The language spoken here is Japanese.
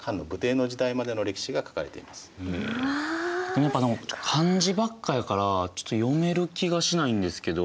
何かでも漢字ばっかやからちょっと読める気がしないんですけど。